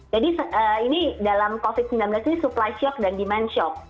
jadi ini dalam covid sembilan belas ini supply shock dan demand shock